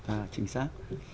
à chính xác